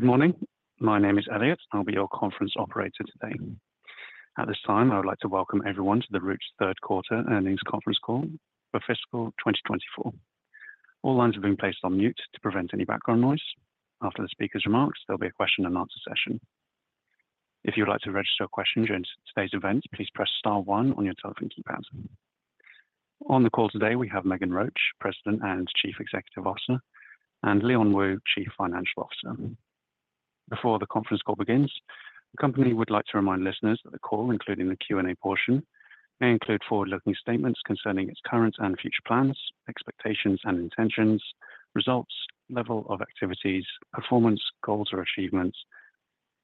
Good morning. My name is Elliot. I'll be your conference operator today. At this time, I would like to welcome everyone to the Roots third quarter earnings conference call for fiscal 2024. All lines have been placed on mute to prevent any background noise. After the speaker's remarks, there'll be a question and answer session. If you would like to register a question during today's event, please press star one on your telephone keypad. On the call today, we have Meghan Roach, President and Chief Executive Officer; and Leon Wu, Chief Financial Officer. Before the conference call begins, the company would like to remind listeners that the call, including the Q&A portion, may include forward-looking statements concerning its current and future plans, expectations and intentions, results, level of activities, performance, goals or achievements,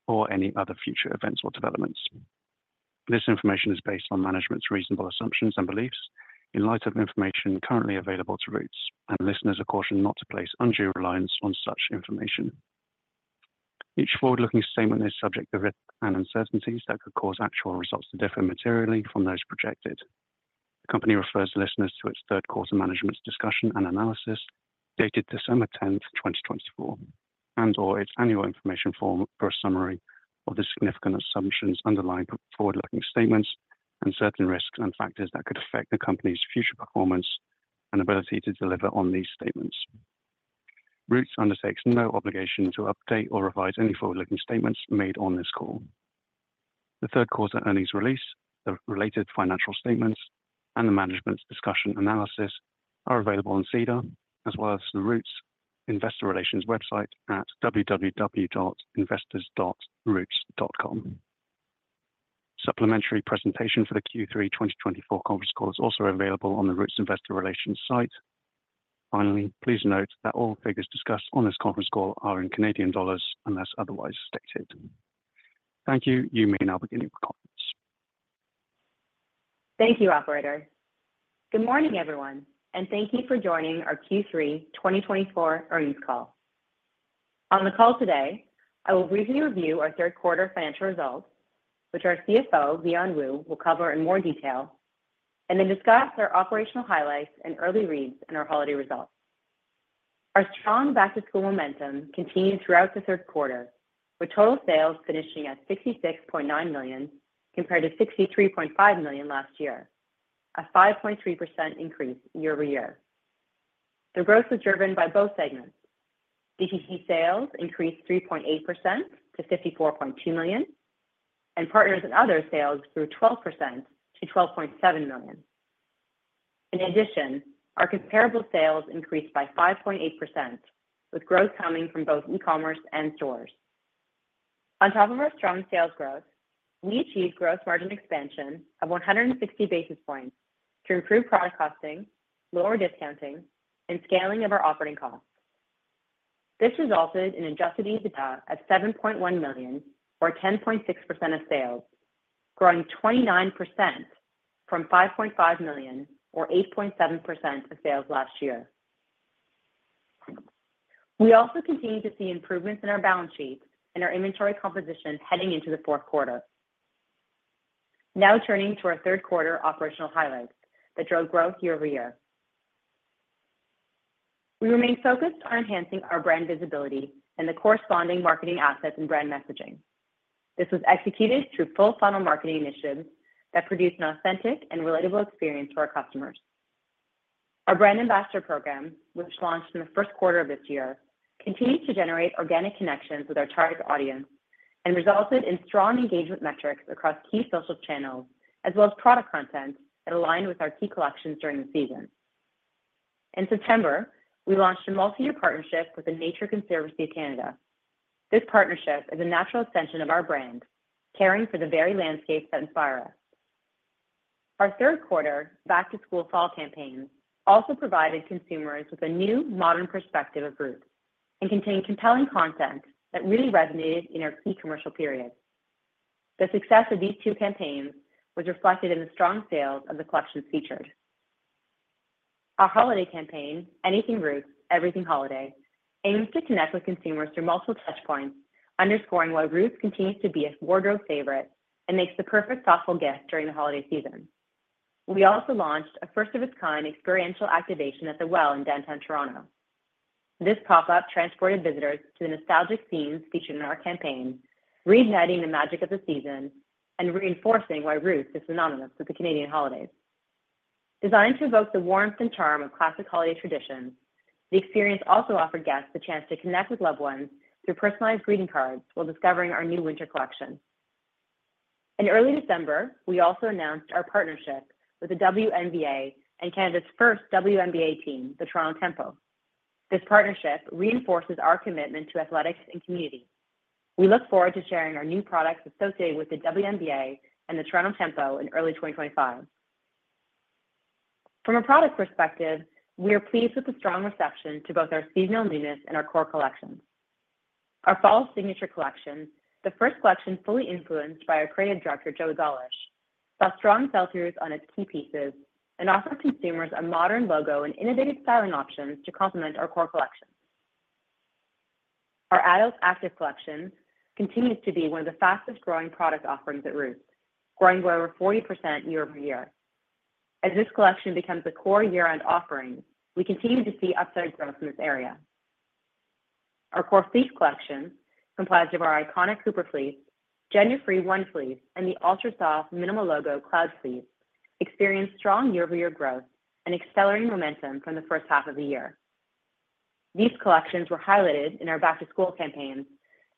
or any other future events or developments. This information is based on management's reasonable assumptions and beliefs in light of information currently available to Roots, and listeners are cautioned not to place undue reliance on such information. Each forward-looking statement is subject to risk and uncertainties that could cause actual results to differ materially from those projected. The company refers listeners to its third quarter management's discussion and analysis dated December 10th, 2024, and/or its annual information form for a summary of the significant assumptions underlying forward-looking statements and certain risks and factors that could affect the company's future performance and ability to deliver on these statements. Roots undertakes no obligation to update or revise any forward-looking statements made on this call. The third quarter earnings release, the related financial statements, and the management's discussion and analysis are available on SEDAR, as well as the Roots Investor Relations website at www.investors.roots.com. Supplementary presentation for the Q3 2024 conference call is also available on the Roots Investor Relations site. Finally, please note that all figures discussed on this conference call are in Canadian dollars unless otherwise stated. Thank you. You may now begin your conference. Thank you, Operator. Good morning, everyone, and thank you for joining our Q3 2024 earnings call. On the call today, I will briefly review our third quarter financial results, which our CFO, Leon Wu, will cover in more detail, and then discuss our operational highlights and early reads in our holiday results. Our strong back-to-school momentum continued throughout the third quarter, with total sales finishing at CAD 66.9 million compared to CAD 63.5 million last year, a 5.3% increase year-over-year. The growth was driven by both segments. DTC sales increased 3.8% to 54.2 million, and partners and other sales grew 12% to 12.7 million. In addition, our comparable sales increased by 5.8%, with growth coming from both e-commerce and stores. On top of our strong sales growth, we achieved gross margin expansion of 160 basis points to improve product costing, lower discounting, and scaling of our operating costs. This resulted in Adjusted EBITDA at 7.1 million, or 10.6% of sales, growing 29% from 5.5 million, or 8.7% of sales last year. We also continue to see improvements in our balance sheet and our inventory composition heading into the fourth quarter. Now turning to our third quarter operational highlights that drove growth year-over-year. We remained focused on enhancing our brand visibility and the corresponding marketing assets and brand messaging. This was executed through full-funnel marketing initiatives that produced an authentic and relatable experience for our customers. Our brand ambassador program, which launched in the first quarter of this year, continued to generate organic connections with our target audience and resulted in strong engagement metrics across key social channels, as well as product content that aligned with our key collections during the season. In September, we launched a multi-year partnership with the Nature Conservancy of Canada. This partnership is a natural extension of our brand, caring for the very landscapes that inspire us. Our third quarter back-to-school fall campaigns also provided consumers with a new modern perspective of Roots and contained compelling content that really resonated in our key commercial period. The success of these two campaigns was reflected in the strong sales of the collections featured. Our holiday campaign, Anything Roots, Everything Holiday, aims to connect with consumers through multiple touch points, underscoring why Roots continues to be a wardrobe favorite and makes the perfect thoughtful gift during the holiday season. We also launched a first-of-its-kind experiential activation at The Well in downtown Toronto. This pop-up transported visitors to the nostalgic scenes featured in our campaign, reigniting the magic of the season and reinforcing why Roots is synonymous with the Canadian holidays. Designed to evoke the warmth and charm of classic holiday traditions, the experience also offered guests the chance to connect with loved ones through personalized greeting cards while discovering our new winter collection. In early December, we also announced our partnership with the WNBA and Canada's first WNBA team, the Toronto Tempo. This partnership reinforces our commitment to athletics and community. We look forward to sharing our new products associated with the WNBA and the Toronto Tempo in early 2025. From a product perspective, we are pleased with the strong reception to both our seasonal newness and our core collections. Our fall signature collection, the first collection fully influenced by our creative director, Joey Gollish, saw strong sell-throughs on its key pieces and offered consumers a modern logo and innovative styling options to complement our core collections. Our adult active collection continues to be one of the fastest-growing product offerings at Roots, growing by over 40% year-over-year. As this collection becomes a core year-end offering, we continue to see upside growth in this area. Our core fleece collection, comprised of our iconic Cooper Fleece, gender-free One Fleece, and the ultra-soft minimal logo Cloud Fleece, experienced strong year-over-year growth and accelerating momentum from the first half of the year. These collections were highlighted in our back-to-school campaigns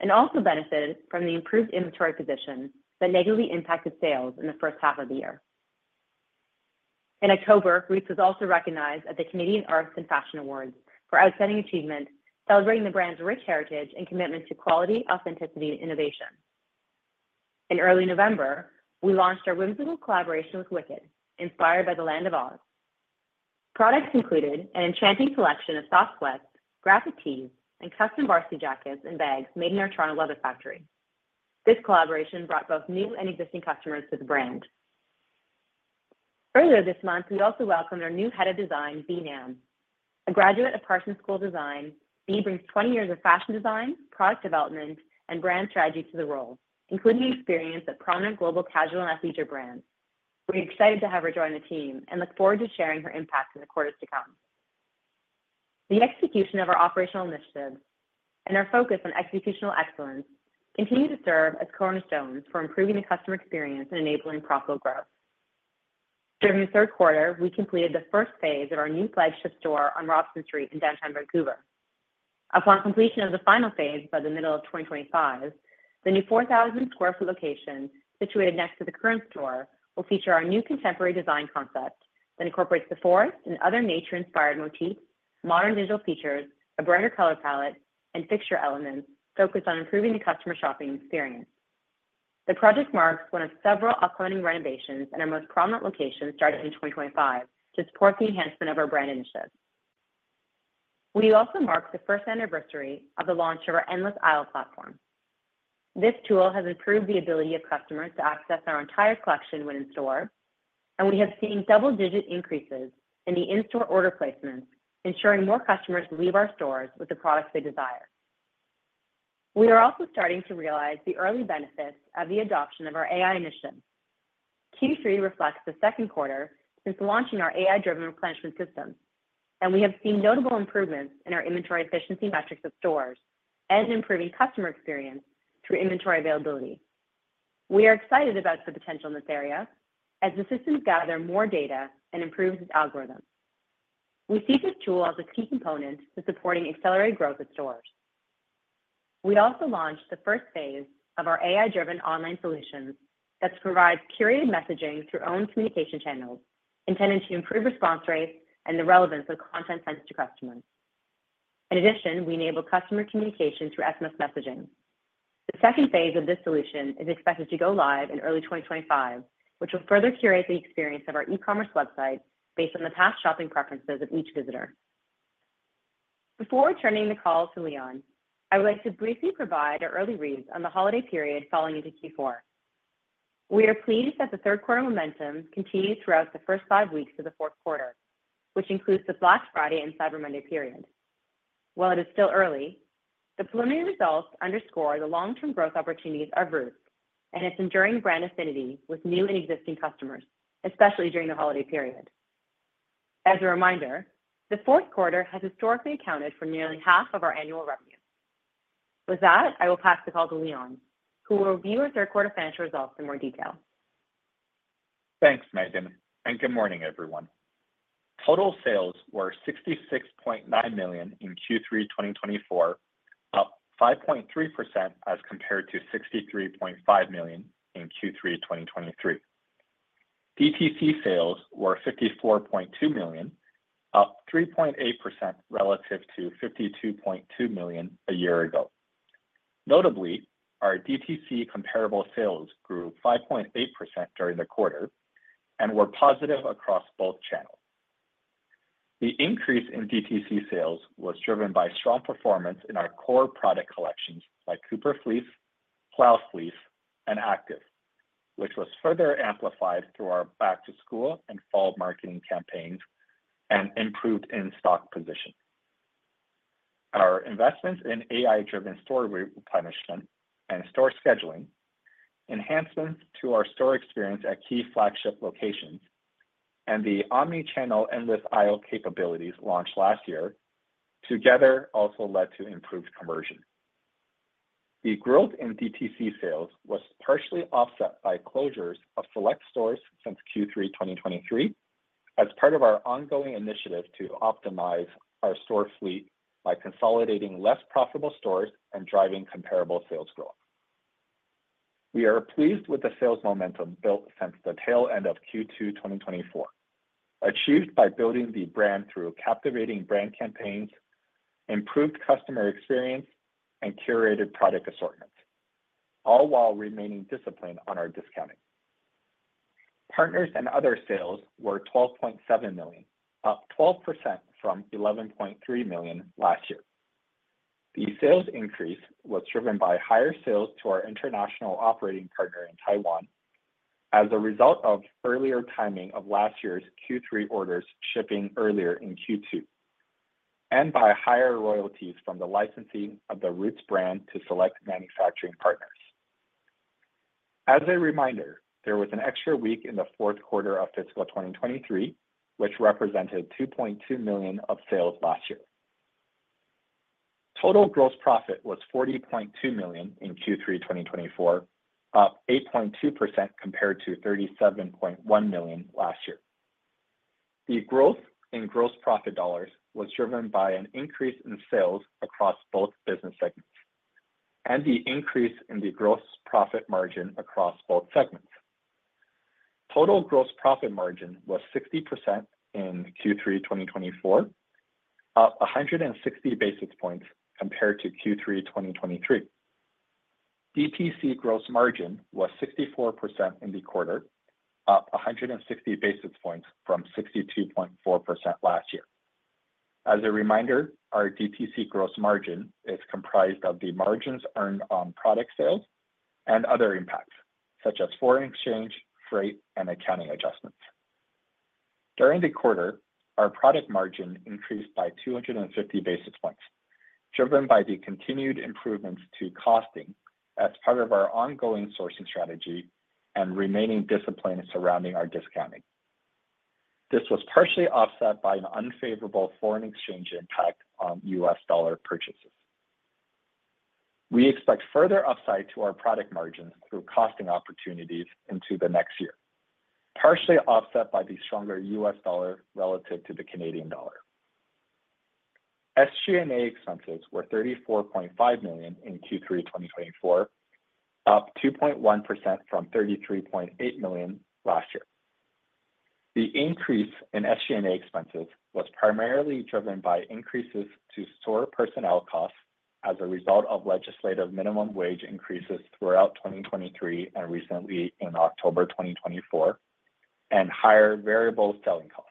and also benefited from the improved inventory position that negatively impacted sales in the first half of the year. In October, Roots was also recognized at the Canadian Arts and Fashion Awards for outstanding achievement, celebrating the brand's rich heritage and commitment to quality, authenticity, and innovation. In early November, we launched our whimsical collaboration with Wicked, inspired by the Land of Oz. Products included an enchanting collection of soft sweats, graphic tees, and custom varsity jackets and bags made in our Toronto Leather Factory. This collaboration brought both new and existing customers to the brand. Earlier this month, we also welcomed our new head of design, Bea Nam. A graduate of Parsons School of Design, Bea brings 20 years of fashion design, product development, and brand strategy to the role, including the experience of prominent global casual and athleisure brands. We're excited to have her join the team and look forward to sharing her impact in the quarters to come. The execution of our operational initiatives and our focus on executional excellence continue to serve as cornerstones for improving the customer experience and enabling profitable growth. During the third quarter, we completed the first phase of our new flagship store on Robson Street in downtown Vancouver. Upon completion of the final phase by the middle of 2025, the new 4,000 sq ft location situated next to the current store will feature our new contemporary design concept that incorporates the forest and other nature-inspired motifs, modern visual features, a brighter color palette, and fixture elements focused on improving the customer shopping experience. The project marks one of several upcoming renovations and our most prominent locations starting in 2025 to support the enhancement of our brand initiative. We also marked the first anniversary of the launch of our Endless Aisle platform. This tool has improved the ability of customers to access our entire collection when in store, and we have seen double-digit increases in the in-store order placements, ensuring more customers leave our stores with the products they desire. We are also starting to realize the early benefits of the adoption of our AI initiative. Q3 reflects the second quarter since launching our AI-driven replenishment system, and we have seen notable improvements in our inventory efficiency metrics at stores and improving customer experience through inventory availability. We are excited about the potential in this area as the systems gather more data and improve its algorithms. We see this tool as a key component to supporting accelerated growth at stores. We also launched the first phase of our AI-driven online solutions that provides curated messaging through own communication channels intended to improve response rates and the relevance of content sent to customers. In addition, we enable customer communication through SMS messaging. The second phase of this solution is expected to go live in early 2025, which will further curate the experience of our e-commerce website based on the past shopping preferences of each visitor. Before turning the call to Leon, I would like to briefly provide our early reads on the holiday period following into Q4. We are pleased that the third quarter momentum continued throughout the first five weeks of the fourth quarter, which includes the Black Friday and Cyber Monday period. While it is still early, the preliminary results underscore the long-term growth opportunities of Roots and its enduring brand affinity with new and existing customers, especially during the holiday period. As a reminder, the fourth quarter has historically accounted for nearly half of our annual revenue. With that, I will pass the call to Leon, who will review our third quarter financial results in more detail. Thanks, Meghan. Good morning, everyone. Total sales were 66.9 million in Q3 2024, up 5.3% as compared to 63.5 million in Q3 2023. DTC sales were 54.2 million, up 3.8% relative to 52.2 million a year ago. Notably, our DTC comparable sales grew 5.8% during the quarter and were positive across both channels. The increase in DTC sales was driven by strong performance in our core product collections like Cooper Fleece, Cloud Fleece, and Active, which was further amplified through our back-to-school and fall marketing campaigns and improved in-stock position. Our investments in AI-driven store replenishment and store scheduling, enhancements to our store experience at key flagship locations, and the omnichannel Endless Aisle capabilities launched last year together also led to improved conversion. The growth in DTC sales was partially offset by closures of select stores since Q3 2023 as part of our ongoing initiative to optimize our store fleet by consolidating less profitable stores and driving comparable sales growth. We are pleased with the sales momentum built since the tail end of Q2 2024, achieved by building the brand through captivating brand campaigns, improved customer experience, and curated product assortments, all while remaining disciplined on our discounting. Partners and other sales were 12.7 million, up 12% from 11.3 million last year. The sales increase was driven by higher sales to our international operating partner in Taiwan as a result of earlier timing of last year's Q3 orders shipping earlier in Q2 and by higher royalties from the licensing of the Roots brand to select manufacturing partners. As a reminder, there was an extra week in the fourth quarter of fiscal 2023, which represented 2.2 million of sales last year. Total gross profit was 40.2 million in Q3 2024, up 8.2% compared to 37.1 million last year. The growth in gross profit dollars was driven by an increase in sales across both business segments and the increase in the gross profit margin across both segments. Total gross profit margin was 60% in Q3 2024, up 160 basis points compared to Q3 2023. DTC gross margin was 64% in the quarter, up 160 basis points from 62.4% last year. As a reminder, our DTC gross margin is comprised of the margins earned on product sales and other impacts, such as foreign exchange, freight, and accounting adjustments. During the quarter, our product margin increased by 250 basis points, driven by the continued improvements to costing as part of our ongoing sourcing strategy and remaining discipline surrounding our discounting. This was partially offset by an unfavorable foreign exchange impact on U.S. dollar purchases. We expect further upside to our product margins through costing opportunities into the next year, partially offset by the stronger U.S. dollar relative to the Canadian dollar. SG&A expenses were 34.5 million in Q3 2024, up 2.1% from 33.8 million last year. The increase in SG&A expenses was primarily driven by increases to store personnel costs as a result of legislative minimum wage increases throughout 2023 and recently in October 2024, and higher variable selling costs.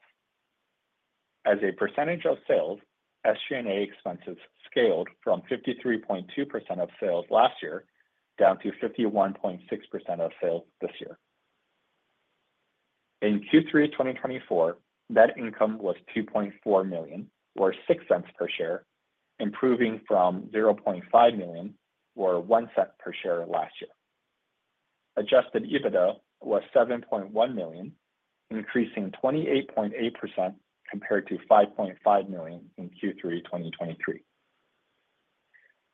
As a percentage of sales, SG&A expenses scaled from 53.2% of sales last year down to 51.6% of sales this year. In Q3 2024, net income was 2.4 million, or 0.06 per share, improving from 0.5 million, or 0.01 per share, last year. Adjusted EBITDA was 7.1 million, increasing 28.8% compared to 5.5 million in Q3 2023.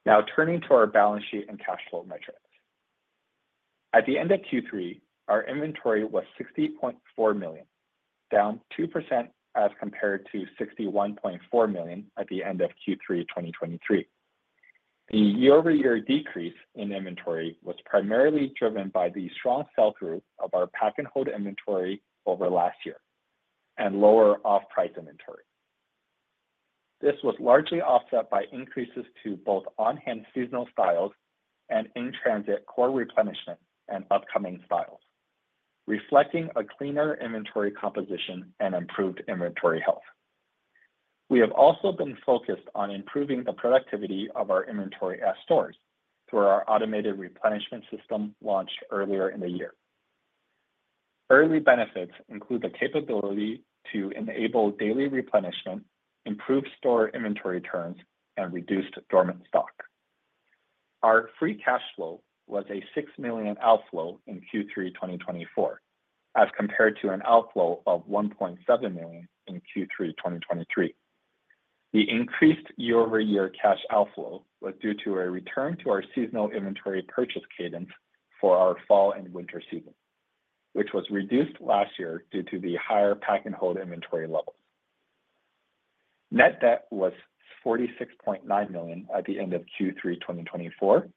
Now turning to our balance sheet and cash flow metrics. At the end of Q3, our inventory was 60.4 million, down 2% as compared to 61.4 million at the end of Q3 2023. The year-over-year decrease in inventory was primarily driven by the strong sell-through of our pack-and-hold inventory over last year and lower off-price inventory. This was largely offset by increases to both on-hand seasonal styles and in-transit core replenishment and upcoming styles, reflecting a cleaner inventory composition and improved inventory health. We have also been focused on improving the productivity of our inventory at stores through our automated replenishment system launched earlier in the year. Early benefits include the capability to enable daily replenishment, improved store inventory turns, and reduced dormant stock. Our free cash flow was a 6 million outflow in Q3 2024 as compared to an outflow of 1.7 million in Q3 2023. The increased year-over-year cash outflow was due to a return to our seasonal inventory purchase cadence for our fall and winter season, which was reduced last year due to the higher pack-and-hold inventory levels. Net debt was 46.9 million at the end of Q3 2024,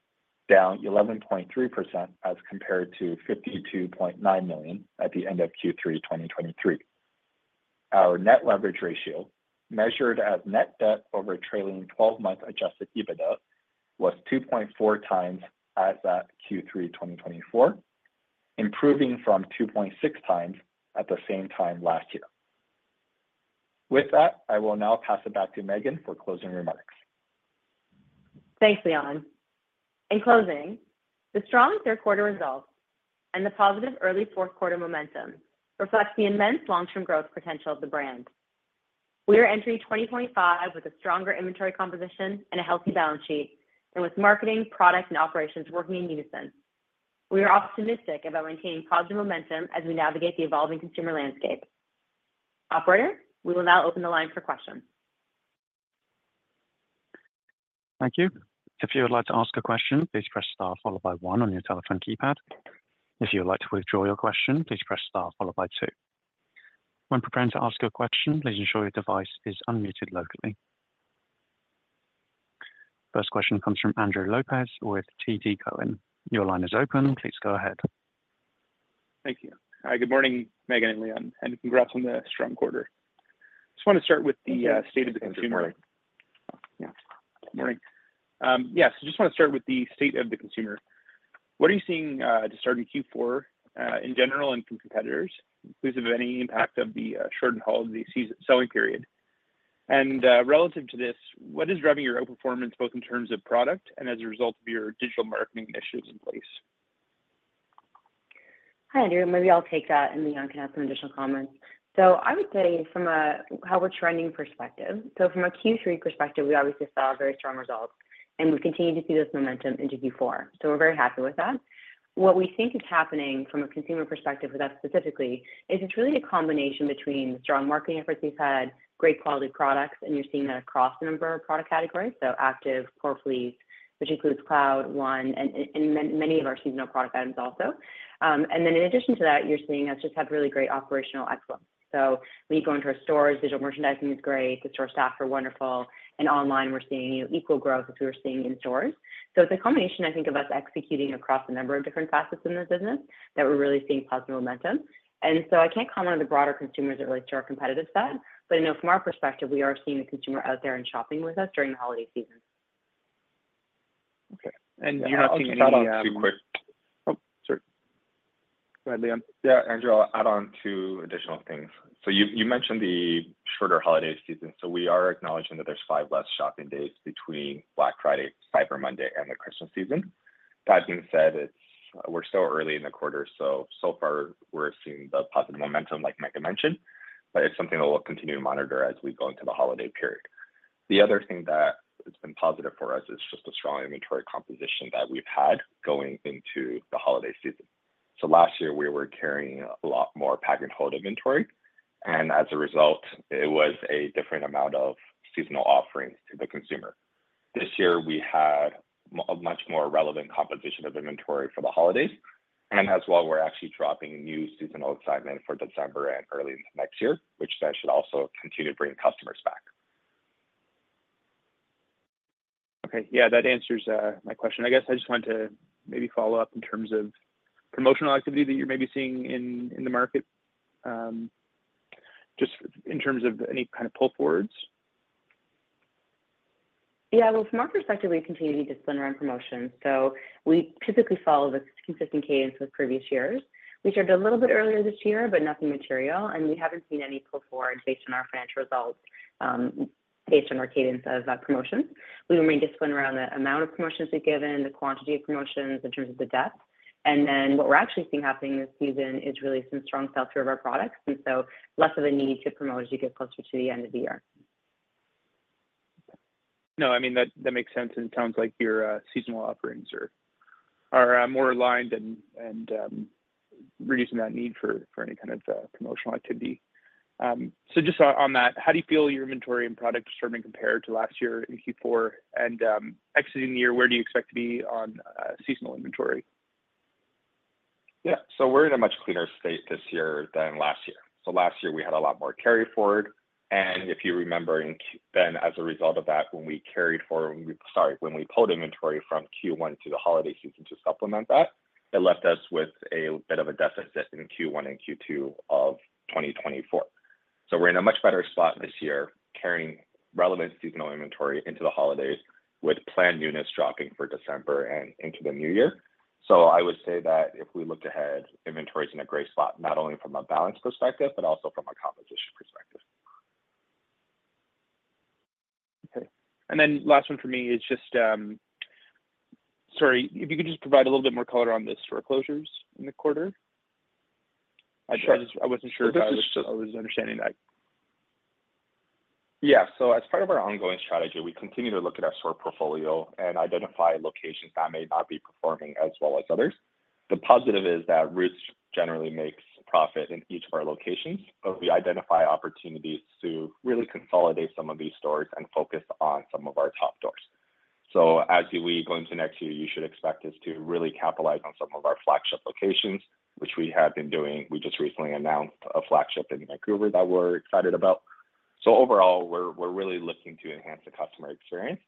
down 11.3% as compared to 52.9 million at the end of Q3 2023. Our net leverage ratio, measured as net debt over trailing 12-month Adjusted EBITDA, was 2.4x as at Q3 2024, improving from 2.6x at the same time last year. With that, I will now pass it back to Meghan for closing remarks. Thanks, Leon. In closing, the strong third quarter results and the positive early fourth quarter momentum reflect the immense long-term growth potential of the brand. We are entering 2025 with a stronger inventory composition and a healthy balance sheet, and with marketing, product, and operations working in unison. We are optimistic about maintaining positive momentum as we navigate the evolving consumer landscape. Operator, we will now open the line for questions. Thank you. If you would like to ask a question, please press star followed by one on your telephone keypad. If you would like to withdraw your question, please press star followed by two. When preparing to ask your question, please ensure your device is unmuted locally. First question comes from Andrew Lopez with TD Cowen. Your line is open. Please go ahead. Thank you. Hi, good morning, Meghan and Leon, and congrats on the strong quarter. Just want to start with the state of the consumer. Good morning. Yeah. Good morning. Yeah, so just want to start with the state of the consumer. What are you seeing to start in Q4 in general and from competitors, inclusive of any impact of the pack-and-hold, the selling period? And relative to this, what is driving your outperformance both in terms of product and as a result of your digital marketing initiatives in place? Hi, Andrew. Maybe I'll take that, and Leon can add some additional comments. So I would say from a how we're trending perspective, so from a Q3 perspective, we obviously saw very strong results, and we've continued to see this momentum into Q4. So we're very happy with that. What we think is happening from a consumer perspective with us specifically is it's really a combination between the strong marketing efforts we've had, great quality products, and you're seeing that across a number of product categories, so active, core fleece, which includes Cloud Fleece and One Fleece and many of our seasonal product items also. And then in addition to that, you're seeing us just have really great operational excellence. So when you go into our stores, digital merchandising is great. The store staff are wonderful. And online, we're seeing equal growth as we were seeing in stores. So it's a combination, I think, of us executing across a number of different facets in the business that we're really seeing positive momentum. And so I can't comment on the broader consumers that relate to our competitive set, but I know from our perspective, we are seeing the consumer out there and shopping with us during the holiday season. Okay. And you're not seeing any of that. I'll just add on too quick. Oh, sorry. Go ahead, Leon. Yeah, Andrew, I'll add on two additional things. So you mentioned the shorter holiday season. So we are acknowledging that there's five less shopping days between Black Friday, Cyber Monday, and the Christmas season. That being said, we're so early in the quarter. So far, we're seeing the positive momentum, like Meghan mentioned, but it's something that we'll continue to monitor as we go into the holiday period. The other thing that has been positive for us is just the strong inventory composition that we've had going into the holiday season. So last year, we were carrying a lot more Pack-and-Hold inventory. And as a result, it was a different amount of seasonal offerings to the consumer. This year, we had a much more relevant composition of inventory for the holidays. As well, we're actually dropping new seasonal excitement for December and early into next year, which then should also continue to bring customers back. Okay. Yeah, that answers my question. I guess I just wanted to maybe follow up in terms of promotional activity that you're maybe seeing in the market, just in terms of any kind of pull forwards. Yeah, well, from our perspective, we continue to be disciplined around promotion. So we typically follow this consistent cadence with previous years. We started a little bit earlier this year, but nothing material. And we haven't seen any pull forward based on our financial results, based on our cadence of promotions. We remain disciplined around the amount of promotions we've given, the quantity of promotions in terms of the depth. And then what we're actually seeing happening this season is really some strong sell-through of our products. And so less of a need to promote as you get closer to the end of the year. No, I mean, that makes sense. It sounds like your seasonal offerings are more aligned and reducing that need for any kind of promotional activity. Just on that, how do you feel your inventory and product are starting to compare to last year in Q4? Exiting the year, where do you expect to be on seasonal inventory? Yeah. So we're in a much cleaner state this year than last year. So last year, we had a lot more carry forward. And if you remember, then as a result of that, when we carried forward, sorry, when we pulled inventory from Q1 to the holiday season to supplement that, it left us with a bit of a deficit in Q1 and Q2 of 2024. So we're in a much better spot this year carrying relevant seasonal inventory into the holidays with planned units dropping for December and into the new year. So I would say that if we look ahead, inventory is in a great spot, not only from a balance perspective, but also from a composition perspective. Okay. And then last one for me is just, sorry, if you could just provide a little bit more color on the store closures in the quarter. I wasn't sure if I was understanding that. Yeah, so as part of our ongoing strategy, we continue to look at our store portfolio and identify locations that may not be performing as well as others. The positive is that Roots generally makes profit in each of our locations, but we identify opportunities to really consolidate some of these stores and focus on some of our top stores. As we go into next year, you should expect us to really capitalize on some of our flagship locations, which we have been doing. We just recently announced a flagship in Vancouver that we're excited about. Overall, we're really looking to enhance the customer experience.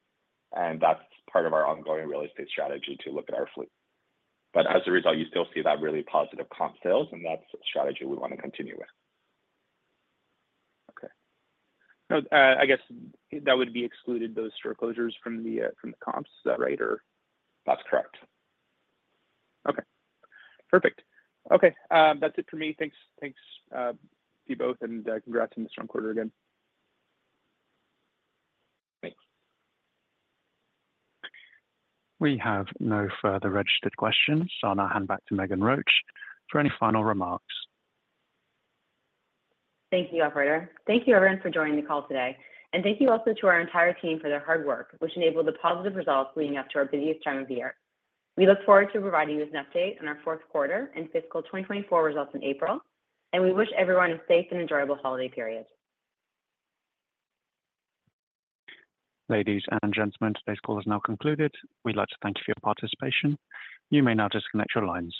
That's part of our ongoing real estate strategy to look at our fleet. As a result, you still see that really positive comp sales, and that's a strategy we want to continue with. Okay. I guess that would be excluded those store closures from the comps. Is that right? That's correct. Okay. Perfect. Okay. That's it for me. Thanks to you both, and congrats on the strong quarter again. We have no further registered questions, so I'll now hand back to Meghan Roach for any final remarks. Thank you, Operator. Thank you, everyone, for joining the call today. And thank you also to our entire team for their hard work, which enabled the positive results leading up to our busiest time of the year. We look forward to providing you with an update on our fourth quarter and fiscal 2024 results in April. And we wish everyone a safe and enjoyable holiday period. Ladies and gentlemen, today's call is now concluded. We'd like to thank you for your participation. You may now disconnect your lines.